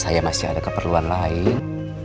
saya masih ada keperluan lain